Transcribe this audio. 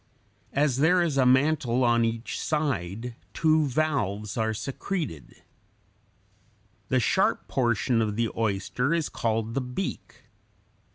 As there is a mantle on each side, two values are secreted. The sharp portion of the oyster is called the beak.